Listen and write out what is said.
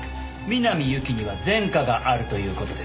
南侑希には前科があるという事です。